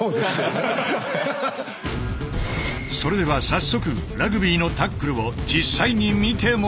それでは早速ラグビーのタックルを実際に見てもらおう。